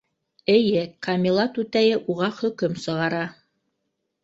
Эйе, Камила түтәйе уға хөкөм сығара.